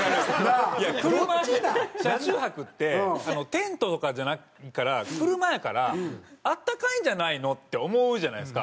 車中泊ってテントとかじゃないから車やからあったかいんじゃないの？って思うじゃないですか。